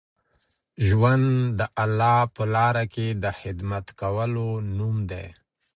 ژوند د الله په لاره کي د خدمت کولو نوم دی.